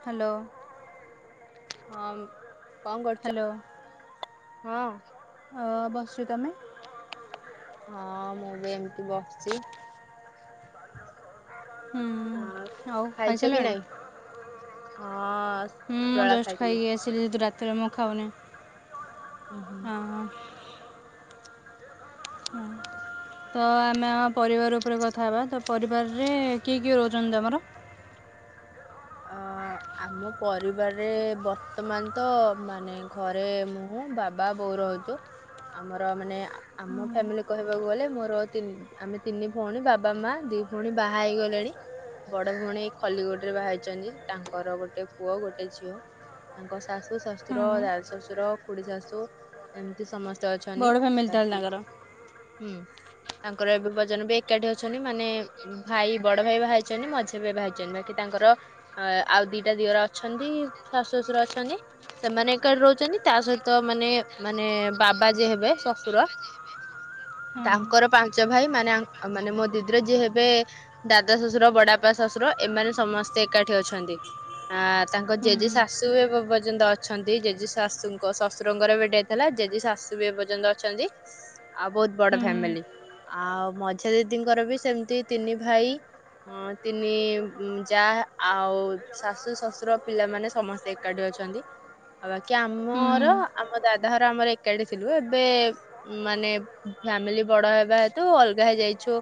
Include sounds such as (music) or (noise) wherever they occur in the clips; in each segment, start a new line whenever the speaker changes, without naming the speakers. Hello
ହଁପ, କଣ କରୁଚ?
ହ୍ୟାଲୋ।
ହଁ
ହଁ ବସୁ ତାନେ
ହଁ ମୁଁ ବି ଏମିତି ବସିଛି।
ହୁଁ
ହଁ
ଆଉ
ଖାଇଛ କି
ଖାଇସାରିଲାଣି
ନାଇଁ? ହଁଅତ
ହୁଁ ମୁଁ ଜଷ୍ଟ ଖାଇକି ଆସିଲି। ଯଦୁ ରାତିରେ ମୁଁ ଖାଉନି।
ଉଁ ହୁଁ
ହ ହଁ
ହ (unintelligible)
ତ ଆମେ ଆମ ପରିବାର ଉପରେ କଥା ହେବା, ତ ପରିବାରରେ କିଏ, କିଏ ରହୁଛନ୍ତି ତମର?
ଅ ଆମ ପରିବାରରେ ବର୍ତ୍ତମାନ ତ, ମାନେ ଘରେ ମୁଁ ମୁଁ ବାବା ବୋଉ ରହୁଛୁ। ଆମର ମାନେ ଆମ ଫ୍ୟାମିଲି କହିବାକୁ ଗଲେ ମୋର ତିନି ଆମେ ତିନି ଭଉଣୀ, ବାବା ମା ଦି ଭଉଣୀ ବାହା ହେଇଗଲେଣି। ବଡ ଭଉଣୀ ଏଇ ଖଲିକୋଟ ରେ ବାହା ହେଇଚି। ଅଛନ୍ତି, ତାଙ୍କର ଗୋଟେ ପୁଅ ଗୋଟେ ଝିଅ ତାଙ୍କ ଶାଶୁ,
ହୁଁ
ଶଶୁର,
ହୁଁ
ଦାଦା ଶ୍ୱଶୁର, ଖୁଡିୀ ଶାଶୁ ଏମିତି ସମସ୍ତେ ଅଛନ୍ତି
ବଡ଼ ଫୋମିଲି ତାହେଲେ
ବାକି
ତାଙ୍କର।
ହୁଁ, ତାଙ୍କର ଏବେ ପର୍ଯ୍ୟନ୍ତ ବି ଏକାଠି ଅଛନ୍ତି। ମାନେ ଭାଇ ବଡ ଭାଇ ବାହା ହେଇଛନ୍ତି, ମଝିଆ ବି ବାହା ହେଇଛନ୍ତି। ବାକି ତାଙ୍କର ଆଏ, ଆଉ ଦିଟା ଦିଅର ଅଛନ୍ତି। ଶାଶୁ ଶଶୁର ଅଛନ୍ତି। ସେମାନେ ଏକାଡି ରହୁଛନ୍ତି, ତା ସହିତ ମାନେ, ମାନେ ବାବା ଯିଏ ହେବେ ଶଶୁର
ହଁ
ତାଙ୍କର ପାଞ୍ଚ ଭାଇ, ମାନେ ମାନେ ମୋ ଦିଦିର ଯିଏ ହେବେ ଦାଦା ଶ୍ୱଶୁର, ବଡାପା ଶ୍ୱଶୁର ଏମାନେ ସମସ୍ତେ ଏକାଠି ଅଛନ୍ତି। ହା ତାଙ୍କ
ହୁଁ
ଜେଜି
ହୁଁ
ଶାଶୁ ଏବେ ପର୍ଯ୍ୟନ୍ତ ଅଛନ୍ତି। ଜେଜି ଶାଶୁଙ୍କ ଶ୍ୱଶୁରଙ୍କର ଏବେ ଡେଥ ହେଲା, ଜେଜି ଶାଶୁ ବି ଏପର୍ଯ୍ୟନ୍ତ ଅଛନ୍ତି। ଆଉ ବହୁତ ବଡ
ହୁଁ ହୁଁ
ଫ୍ୟାମିଲି। ଆଉ ମଝିଆ ଜେଜିଙ୍କର ବି ସେମତି ତିନି ଭାଇ ହଁ ତିନି ଏବ ଯାହା ଆଉ ଶାଶୁ ଶଶୁର ପିଲାମାନେ ସମସ୍ତେ ଏକାଠି ଅଛନ୍ତି। ଆଉ ବାକି
ହୁଁ
ଆମର, ଆମ ଦାଦା ଘର ଆମର ଏକାଠି ଥିଲୁ ଏବେ ମାନେ ଫ୍ୟାମିଲି ବଡ ହେବା ହେତୁ, ଅଲଗା ହେଇଯାଇଚୁ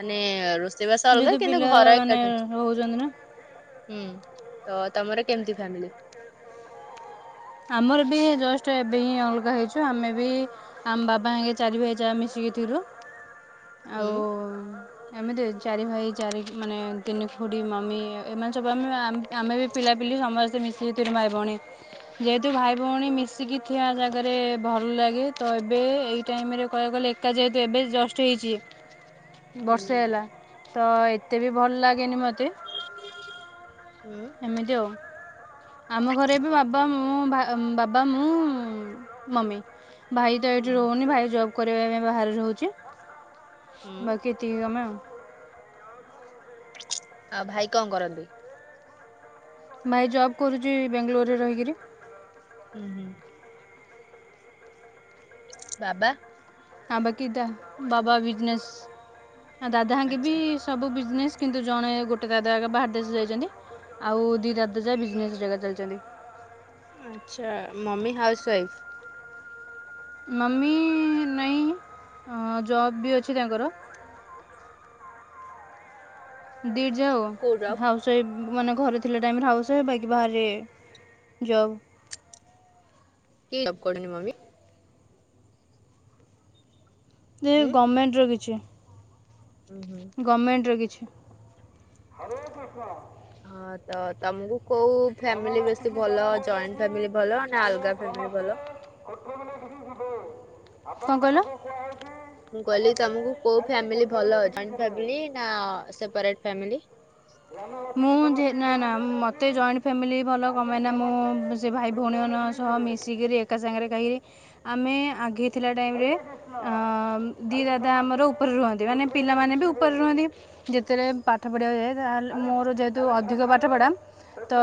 ମାନେ ରୋଷ ରୋଷେଇ ବାସ ଅଲଗା କିନ୍ତୁ, ଘର ଏକାଠି ଅଛି।
ରହୁଚନ୍ତି ନା?
ହୁଁ ତ ତମର କେମିତି ଫ୍ୟାମିଲି?
ଆମର ବି ଜଷ୍ଟ ଏବେ ହିଁ ଅଲଗା ହେଇଚୁ। ଆମେ ବି ଆମ ବାବା ହରିକା ଚାରି ଭାଇ ଯାକ ମିଶିକି ଥିଲୁ
(unintelligible)
ଆଉ ଏମିତି ଏ ଚାରି ଭାଇ ଚାରି ମାନେ ତିନି ଖୁଡ଼ି, ମମି ଏମାନେ ସବୁ ଆମେ ଆମ ଆମେ ବି, ପିଲାପିଲି ସମସ୍ତେ ମିଶିକି ଥିଲୁ ଭାଇ ଭଉଣୀ ଯେହେତୁ ଭାଇ ଭଉଣୀ ମିଶିକି ଥିବା ଜାଗାରେ ଭଲ ଲାଗେ, ତ ଏବେ ଏଇ ଟାଇମିରେ କହିଆକୁ ଗଲେ ଏକା ଯେହେତୁ ଏବେ ଜଷ୍ଟ ହେଇଚି
(inaudible)
ବର୍ଷେ ହେଲା ତ, ଏତେ ବି ଭଲ ଲାଗେନି ମୋତେ
ଉୁଁ
ଏମିତି ଆଉ ଆମ ଘରେ ବି ବା ହଁ ବା ବାବା ମୁଁ ମମି ଭାଇ ତ
ହୁଁ
ଏଠି ରହୁନି ଭାଇ ଜବ୍ କରିବା ପାଇଁ ବାହାରେ ରହୁଚି
ହୁଁ
ବାକି ଏତିକି ଆମେ ଆଉ।
ଆଉ ଭାଇ କଣ କରନ୍ତି?
ଭାଇ ଜବ୍ କରୁଚୀ ବ୍ୟାଙ୍ଗଲୋରରେ ରହିକିରି
ହୁଁ ହୁଁ। ବାବା?
ଆ ବାକି ଦମ୍ ବାବା ବିଜନେସ୍ ଦାଦା ହରିକା ବି
ଆଚ୍ଛା
ସବୁ ବିଜନେସ୍ କିନ୍ତୁ ଜଣେ ଗୋଟେ ଦାଦା ବାହାର ଦେଶ ଯାଇଚନ୍ତି ଆଉ ଦି ଦାଦା ଯାକ ବିଜନେସ ଚଲଉଚନ୍ତି।
ଆଚ୍ଛା ମମି ହାଉସୱାଇଫ୍?
ମମି ନାଇଁ ଜବ୍ ବି ଅଛି ବି ତାଙ୍କର
କୋଉ ଜବ୍
(unintelligible) ସେ ମାନେ ଘରେ ଥିଲା ଟାଇମରେ ହାଉସ ୱାଇଫ୍ ବାକି ବାହାରେ ଜବ୍
କି ଜବ୍ କରନ୍ତି ମମି?
ଯେ ଗମେଣ୍ଟର କିଛି।
ଉଁ ହୁଁ।
ଗମେଣ୍ଟର କିଛି।
ହଁ ତ ତମକୁ କୋଉ ଫ୍ୟାମିଲି ବେଶୀ ଭଲ ଜଏଣ୍ଟ ଫ୍ୟାମିଲି ଭଲ ନା ଅଲଗା ଫ୍ୟାମିଲି ଭଲ।
କଣ କହିଲ?
ମୁଁ କହିଲି ତମକୁ କୋଉ ଫ୍ୟାମିଲ ଭଲ ଜଏଣ୍ଟ ଫ୍ୟାମିଲି ନା ସେପାରେଟ୍ ଫ୍ୟାମିଲି?
ମୁଁ ଯେ ନା ନା ମତେ ଜଏଣ୍ଟ ଫ୍ୟାମିଲି ଭଲ କଣ ପାଇଁ ନା ମୁଁ ସେ ଭାଇ ଭଉଣୀ ମାନେ ସହ ମିଶିକିରି ଏକା ସାଙ୍ଗରେ ଖାଇବେ ଆମେ ଆଗେଇଥିଲା ଟାଇମ୍ ରେ ଅ ଦି ଦାଦା ଆମର ଉପରେ ରୁହନ୍ତି ମାନେ ପିଲାମାନେ ବି ଉପରେ ରୁହନ୍ତି ଯେତେରେ ପାଠ ପଢ଼ିବା ଯାଏ ଲେ ମୋର ଯେହେତୁ ଅଧିକ ପାଠପଢ଼ା ତ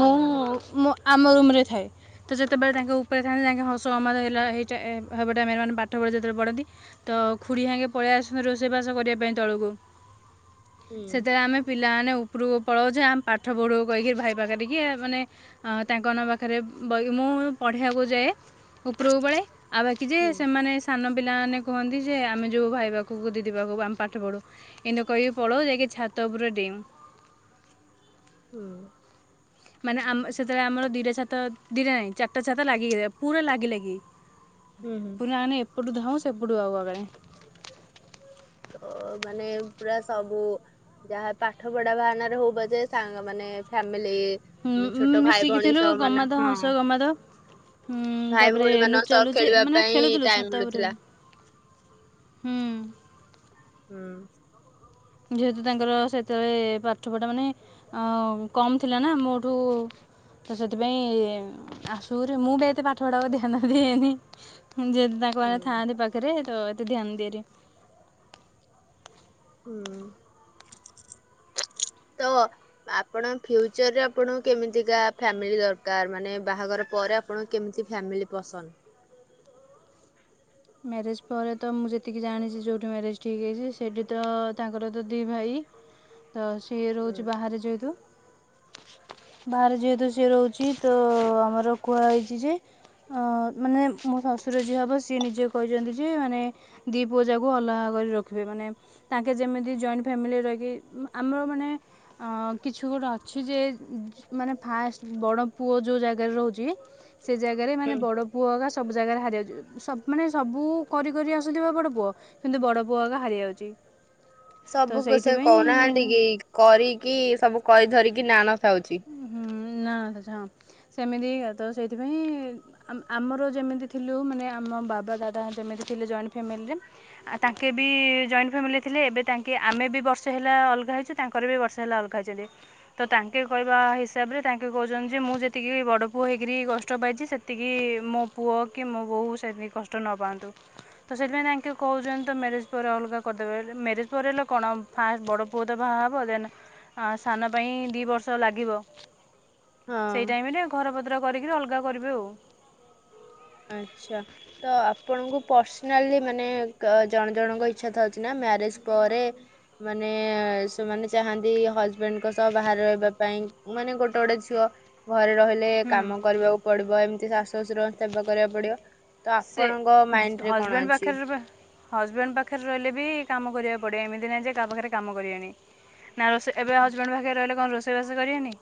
ମୁଁ ମୁଁ ଆମ ରୁମରେ ଥାଏ। ତ ଯେତେବେଳେ ତାଙ୍କ ଉପରେ ଥାଆନ୍ତି (unintelligible) ପାଠ ଯେତେବେଳେ ପଢ଼ନ୍ତି ତ ଖୁଡ଼ି ହରିକା ପଳେଇ ଆସନ୍ତି ରୋଷେଇବାସ କରିବା ପାଇଁ ତଳକୁ
ହୁଁ
ସେଥିରେ ଆମେ ପିଲାମାନେ ଉପରକୁ ପଳାଉ ଯେ ଆମେ ପାଠ ପଢ଼ୁ କହିକି ଭାଇ ପାଖରେ ଟିକେ ମାନେ ହଁ ତାଙ୍କ ମାନଙ୍କପାଖରେ ବଇ ମୁଁ ପଢ଼ିବାକୁ ଯାଏ। ଉପରକୁ ପଳାଏ ଆଉ ବାକି ଯେ
ହୁଁ
ସେମାନେ ସାନ ପିଲାମାନେ କୁହନ୍ତି ଯେ ଆମେ ଯିବୁ ଭାଇ ପାଖକୁ ଦିଦି ପାଖକୁ ପାଠ ପଢ଼ୁ ଏମତି କହିବି ପଢ଼ ଯାଇକି ଛାତ ଉପରେ ଡେଉଁ
ହୁଁ।
ମାନେ ଆମ ସେତେବେଳେ ଆମର ଦିଇଟା ଛାତ ଦୁଇଟା ନାହିଁ ଚାରିଟା ଛାତ ଲାଗି ପୁରା ଲାଗିଲାଗି।
ହୁଁ ହୁଁ।
ନାେ ଏପଟୁ ଧାଉ ସେପଡ଼ୁ ଆଉ ଆଗରେେ
ତ ମାନେ ପୁରା ସବୁ ଯାହା ପାଠ ପଢା ବାହାନାରେ ହଉବ ଯେ ସାଙ୍ଗ ମାନେ ଫ୍ୟାମିଲି। ଛୋଟ ଭାଇ ଭଉଣୀ
ମିଶିକିଥିଲୁ
ସହ ମାନେ
ଗମାଧ ହସ
ହଁ
ଗମାଧ। ହୁଁ
ଭାଇ
ତାପରେ
ଭଉଣୀ ମାନଙ୍କ
ଲୁଚା
ସହ
ଲୁଚି
ଖେଳିବା
ମାନେ
ପାଇଁ
ଖେଳୁଥିଲୁ
ଟାଇମ
ଛାତ ଉପରେ
ମିଳୁଥିଲା।
ହୁଁ।
ହୁଁ।
ଯେହେତୁ ତାଙ୍କର ସେତେ ଏଳେ ପାଠପଢ଼ା ମାନେ ଅଁ କମ୍ ଥିଲା ନା ମୋଠୁ ତ ସେଥିପାଇଁ ଆସୁରେ ମୁଁ ବି ଏତେ ପାଠ ପଢାକୁ ଧ୍ୟାନ ଦିଏନି। ଯେଏତୁ ତାଙ୍କ ମା (unintelligible)
ହୁଁ
ଥାଆନ୍ତି ପାଖରେ ତ ଏତେ ଧ୍ୟାନ ଦିଏନି।
ହୁଁ ତ ଆପଣ ଫ୍ୟୁଚର୍ ରେ ଆପଣଙ୍କୁ କେମିତିକା ଫ୍ୟାମିଲି ଦରକାର୍ ମାନେ ବାହାଘର ପର ଆପଣ କେମ୍ତି ଫ୍ୟାମିଲି ପସନ୍ଦ୍?
ମ୍ୟାରେଜ୍ ପରେ ତ ମୁଁ ଯେତିକି ଜାଣିଚି ଯୋଉଠି ମ୍ୟାରେଜ୍ ଠିକ୍ ହେଇଚି ସେଇଠି ତ ତାଙ୍କର ତ ଦି ଭାଇ। ତ ସିଏ
ହୁଁ
ରଉଚି ବାହାରେ ଯେହେତୁ ବାହାରେ ଯେହେତୁ ସେ ରହୁଚି ତ ଆମର କୁଆ ହେଇଚି ଯେ ହଁ ମାନେ ମୋ ଶାଶୁର ଯିଏ ହବ ସିଏ ନିଜେ କହିଚନ୍ତି ଯେ ମାନେ ଦି ପୁଅ ଜାକୁ ଅଲଗା କରି ର ଖିବେ ମାନେ ତାଙ୍କେ ଯେମିତି ଜଏଣ୍ଟ୍ ଫ୍ୟାମିଲି ରହିକି ମ ଆମ (unintelligible) ମାନେ ଅଁ କିଛି ଗୋଟେ ଅଛି ଯେ (unintelligible) ମାନେ ଫାଷ୍ଟ ବଡ଼ ପୁଅ ଯୋଉ ଜାଗାରେ ରହୁଚି ସେ ଜାଗାରେ ମାନେ
ହୁଁ
ବଡ଼ ପୁଅକା ସବୁ ଜାଗାରେ ହାରି ଆଉଚି ସବ୍ ମାନେ ସବୁ କରି କରି ଆସୁଥିବ ବଡ ପୁଅ କିନ୍ତୁ ବଡ ପୁଅ ଆକା ହାରି ଆଉଚି।
ସବୁକୁ ସେ କଉ ନାହାଁନ୍ତି କି କରିକି ସବୁ କରି ଧରିକି ନା ନ ଥାଉଚି।
ହୁଁ ନା ତ ଛଁ ସେମିତି ତ ସେଇଥିପାଇଁ ଆମ୍ ଆମର ଯେମିତି ଥିଲୁ ମାନେ ଆମ ବାବା ଦାଦା ଯେମିତି ଥିଲେ ଜଏଣ୍ଟ୍ ଫ୍ୟାମିଲିରେ ଆଉ ତାଙ୍କେ ବି ଜଏଣ୍ଟ୍ ଫ୍ୟାମିଲି ଥିଲେ ଏବେ ତାଙ୍କେ ଆମେ ବି ବର୍ଷ ହେଲା ଅଲ୍ଗା ହେଇଚୁ। ତାଙ୍କର ବି ବର୍ଷେ ହେଲା ଅଲ୍ଗା ହେଇଚନ୍ତି ତ ତାଙ୍କେ କହିବା ହିସାବରେ ତାଙ୍କେ କହୁଚନ୍ତି ଯେ ମୁଁ ଯେତିକି ବି ବଡ଼ ପୁଅ ହେଇ କିରି କଷ୍ଟ ପାଇଚି ସେତିକି ମୋ ପୁଅ କି ମୋ ବୋହୂ ସେମି କଷ୍ଟ ନ ପଆନ୍ତୁ। ତ ସେଥିପାଇଁ ତାଙ୍କେ କହୁଚନ୍ତି ତ ମ୍ୟାରେଜ୍ ପରେ ଅଲଗା କରିଦେବେ ଏଲି ମ୍ୟାରେଜ୍ ପରେ ଏଲେ କଣ ଫାଷ୍ ବଡ଼ ପୁଅ ତ ବାହା ହେବ ଦେନ୍ ଆଁ ସାନ ପାଇଁ ଦି ବର୍ଷ ଲାଗିବ।
ହଁ।
ସେଇ ଟାଇମ୍ ରେ ଘର ପତ୍ର କରି କିରି ଅଲଗା କରିବେ ଆଉ।
ଆଚ୍ଛା। ତ ଆପଣଙ୍କୁ ପସ୍ନାଲି ମାନେ କ ଜଣେ ଜଣଙ୍କ ଇଚ୍ଛା ଥାଉଚି ନା ମ୍ୟାରେଜ୍ ପରେ ମାନେ ସେମାନେ ଚାହାନ୍ତି ହଜବେଣ୍ଡ୍ ଙ୍କ ସହ ବାହାରେ ରହିବା ପାଇଁ ମାନେ ଗୋଟେ ଗୋଟେ ଝୁଅ। ଘରେ ରହିଲେ
ହୁଁ
କାମ କରିବାକୁ ପଡିବ ଏମିତି ଶାଶୁ ଶ୍ୱଶୁର ସେବା କରିବାକୁ ପଡିବ। ତ
ସେ
ଆପଣଙ୍କ ମାଇଣ୍ଡ୍ ରେ କଣ ଅଛି?
ହଜବେଣ୍ଡ୍ ପାଖରେ ରହିଲେ ବି କାମ କରିଆକୁ ପଡିବ ଏମିତି ନାଇଁ ଯେ କା ପାଖରେ କାମ କରିଏନି। ନା ରୋଷେ ଏବେ ହଜବେଣ୍ଡ୍ ପାଖରେ ରହିଲେ କଁ ରୋଷେଇ ବାସ କରିବେନି।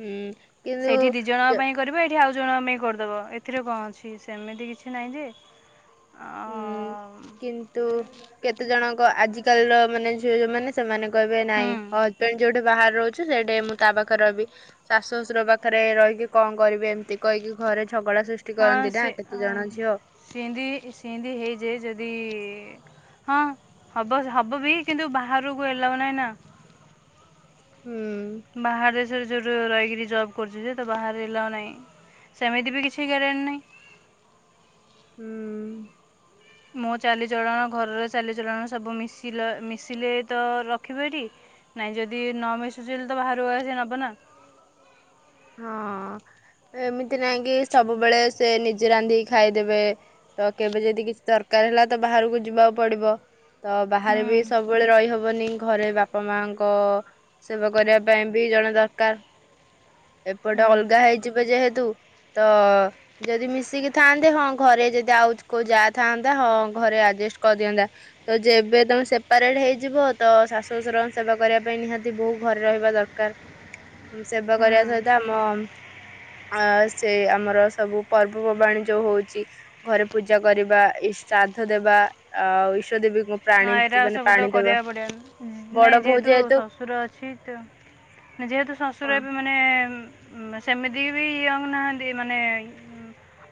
ହୁଁ
ସେଇଠି ଦି ଜଣଙ୍କ
କିନ୍ତୁ
ପାଇଁ କରିବ ଏଇଠି ଆଉ ଜଣଙ୍କ ପାଇଁ କରିଦବ ଏଥିରେ କଁ ଅଛି ସେମିତି କିଛି ନାହିଁ ଯେ
ଉଁ କିନ୍ତୁ କେତେ ଜଣଙ୍କ ଆଜିକାଲିର ମାନେ ଝିଅ ଯୋଉମାନେ ସେମାନେ କଇବେ
ହୁଁ
ନାଇଁ ହଜବେଣ୍ଡ୍ ଯୋଉଠି ବାହାରେ ରହୁଚି ସେଠି ମୁଁ ତା ପାଖରେ ରବି। ଶାଶୁ ଶଶୁର ପାଖରେ ରହିକି କଁ କରିବି ଏମିତି କଇକି ଘରେ ଝଗଡା ସୁସ୍ ଟି କରନ୍ତି ନା କେତେ ଜଣ ଝିଅ।
ସିନ୍ଦି ସିନ୍ଦି ହେଇଯାଏ ଯଦି ଇ-ଇ-ଇ ହଁ ହବ ହବ ବି କିନ୍ତୁ ବାହାରକୁ ଏଲାଉ ନାହିଁ ନା।
ହୁଁ।
ବାହାର ଦେଶରେ ଯୋଉଠୁ ରହିକିରି ଜବ୍ କରୁଚି ଯେ ତ ବାହାରେ ଏଲାଉ ନାଇଁ। ସେମିତି ବି କିଛି ଗ୍ୟାରେଣ୍ଟ ନାହିଁ।
ହୁଁ।
ମୋ ଚାଲିଚଳଣ ଘରର ଚାଲିଚଳଣ ସବୁ ମିଶ ମିଶିଲେ ତ ରଖିବେ ଏଠି। ନାଇଁ ଯଦି ନ ମିଶୁଛି ତ ବାହାରୁ ସେ ନବ ନା।
ହଁ ଏମିତି ନାହିଁ କି ସବୁବେଳେ ସେ ନିଜେ ରାନ୍ଧିକି ଖାଇଦେବେ। ତ କେବେ ଯଦି କିଛି ଦରକାର ହେଲା ତ ବାହାରକୁ ଯିବାକୁ ପଡିବ। ତ ବାହାରେ
ହୁଁ
ବି ସବୁବେଳେ ରହିହବନି ଘରେ ବାପା ମାଙ୍କ ସେବା କରିବା ପାଇଁ ବି ଜଣେ ଦରକାର। ଏପଟେ
ହୁଁ
ଅଲଗା ହେଇଯିବେ ଯେହେତୁ ତ ଯଦି ମିଶିକି ଥାଆନ୍ତେ ହଁ ଘରେ ଯଦି ଆଉ କୋଉ ଯା ଥାନ୍ତା ହଁ ଘରେ ଆଜେଷ୍ଟ କରିଦିଅନ୍ତା। ତ ଯେବେ ତମେ ସେପାରେଟ ହେଇଯିବ ତ ଶାଶୁ ଶ୍ୱଶୁରଙ୍କ ସେବା କରିବା ପାଇଁ ନିହାତି ବୋହୂ ଘରେ ରହିବା ଦରକାର। ହୁଁ ସେବା
ହୁଁ
କରିବା ସହିତ ଆମ ଅ ସେ ଆମର ସବୁ ପର୍ବପର୍ବାଣୀ ଯୋଉ ହଉଛି ଘରେ ପୂଜା କରିବା ଇ ଶ୍ରାଦ୍ଧ ଦେବା ଆ ଈଶ ଦେବୀଙ୍କୁ ପ୍ରାଣୀ
ହଁ ଏଇରା
ମାନେ
ସବୁ ତ
ପାଣି ଦେବା
କରିବାକୁ ପଡିବ
ବଡ
ନାଇଁ
ବୋହୂ
ଯେହେତୁ ଶଶୁର ଅଛି ତ ଯେହେତୁ ଶଶୁର
ହଁ
ଏବେ ମାନେ ମାନେ ସେମିତି ବି ଇଏ ହେଉନାହାନ୍ତି ମାନେ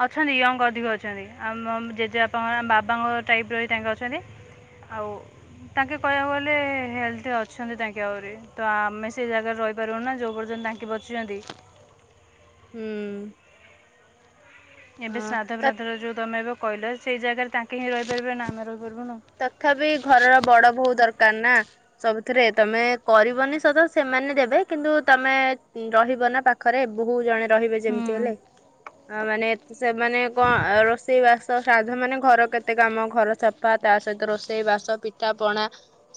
ଅଛନ୍ତି ୟଙ୍ଗ ଅଧିକ ଅଛନ୍ତି ଆମ ଜେଜେବାପାଙ୍କ ବାବାଙ୍କ ଟାଇପ ର ତାଙ୍କେ ଅଛନ୍ତି। ଆଉ ତାଙ୍କେ କହିବାକୁ ଗଲେ ହେଲ୍ଥ ଅଛନ୍ତି ତାଙ୍କେ ଆହୁରି ତ ଆମେ ସେ ଜାଗାରେ ରହିପାରିବୁ ନା ଯୋଉ ପର୍ଯ୍ୟନ୍ତ ତାଙ୍କେ ଛନ୍ତି
ହୁଁ।
ଏବେ
ହଁ ତ
ଶ୍ରାଦ୍ଧବ୍ରାଦ୍ଧର ଯେଉଁ ତମେ ଏବେ କହିଲ ସେଇ ଜାଗାରେ ତାଙ୍କେ ହିଁ ରହିପାରିବେନା ନା ଆମେ ରହିପାରିବୁନୁ।
ତଥାପି ଘରର ବଡ ବୋଉ ଦରକାର ନା। ସବୁଥିରେ ତମେ କରିବନି ସତ ସେମାନେ ଦେବେ କିନ୍ତୁ ତମେ ରହିବ ନା ପାଖରେ ବହୁ ଜଣେ ରହିବେ
ହୁଁ
ଯେମିତି ହେଲେ। ଅ ମାନେ ସେମାନେ କଣ ରୋଷେଇ ବାସ ଶାଧ ମାନେ ଘର କେତେ କାମ ଘର ସଫା ତା ସହିତ ରୋଷେଇ ବାସ ପିଠା ପଣା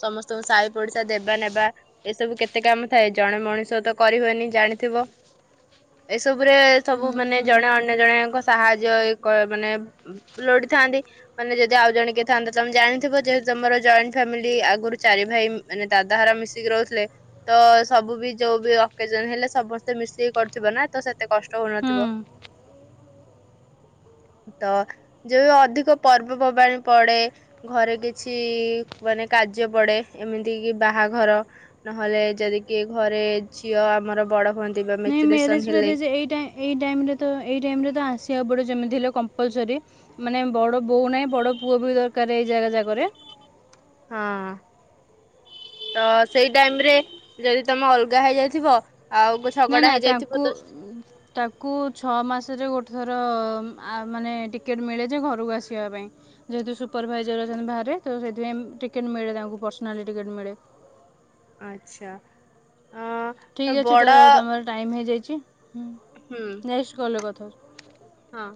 ସମସ୍ତଙ୍କୁ ସାହି ପଡିଶା ଦେବା ନେବା। ଏସବୁ କେତେ କାମ ଥାଏ ଜଣେ ମଣିଷ ତ କରି ହୁଏନି ଜାଣିଥିବ? ଏସବୁ ରେ ସବୁ ମାନେ ଜଣେ
ହୁଁ
ଅନ୍ୟ ଜଣେଙ୍କ ସାହାଯ୍ୟ କ ମାନେ ଲୋଡିଥାନ୍ତି ମାନେ ଯଦି ଆଉ ଜଣେ କେ ଥାନ୍ନ୍ତତା ତମେ ଜାଣିଥିବ ଯେ ତମର ଜଏଣ୍ଟ ଫ୍ୟାମିଲି ଆଗରୁ ଚାରି ଭାଇ ମାନେ ଦାଦା ହାର ମିଶିକି ରହୁଥିଲେ। ତ ସବୁ ବି ଯୋଉ ବି ଅକେଜନ ହେଲେ ସମସ୍ତେ ମିଶିକି କରୁଥିବ ନା ତ ସେତେ କଷ୍ଟ ହଉନଥିବ।
ହୁଁ
ତ ଯ ଅଧିକ ପର୍ବପର୍ବାଣୀ ପଡେ ଘରେ କିଛି ମାନେ କାର୍ଯ୍ୟ ପଡେ ଏମିତି କି ବାହାଘର ନହେଲେ ଯଦି କିି ଘରେ ଝିଅ ଆମର ବଡ ହୁଅନ୍ତି। ବା
ନାଇଁ ମ୍ୟାରେଜ
ମେଚୁରେସନ ହେଲେ
ଫେରେଜେ ଏଇଟା ଏଇ ଟାଇମେ ତ ଏଇ ଟାଇମେ ତ ଆସିବାକୁ ପଡ଼ିବ ଯେମିତି ହେଲେ କମ୍ପଲସରି। ମାନେ ବଡ ବୋଉ ନାହିଁ ବଡ ପୁଅ ବି ଦରକାର ଏଇ ଜାଗା ଜାଗାରେ।
ହଁ। ତ ସେଇ ଟାଇମ ରେ ଯଦି ତମେ ଅଲଗା ହେଇଯାଇଥିବ। ଆଉ ଗୋ
ନା ନା
ଝଗଡା
ତାଙ୍କୁ
ହେଇଯାଇଥିବ ତ
ତାକୁ ଛଅ ମାସରେ ଗୋଟେ ଥର ମାନେ ଆ ଟିକେଟ୍ ମିଳେ ଯେ ଘରକୁ ଆସିବା ପାଇଁ। ଯେହେତୁ ସୁପରଭାଇଜର ଅଛନ୍ତି ବାହାରେ ସେଥିପାଇଁ ଟିକେଟ ମିଳେ ତାଙ୍କୁ ପର୍ସନାଲି ଟିକେଟ ମିଳେ।
ଆଚ୍ଛା ଆ
ଠିକ୍ ଅଛି ତ ତମର ଟାଇମ୍ ହେଇଯାଇଛିଁ।
ହୁଁ।
ନେକ୍ସ କଲ କଥର (inaudible)
ହଁ।